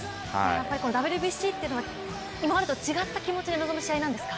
ＷＢＣというのは今までと違った気持ちで挑む試合なんですか？